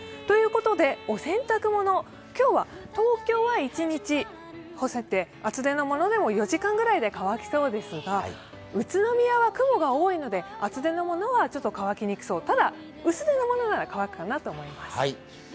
ということでお洗濯もの今日は東京は一日干せて厚手のものでも４時間ぐらいで乾きそうですが宇都宮は雲が多いので厚手のものは乾きにくそう、ただ、薄手のものなら乾くかなと思います。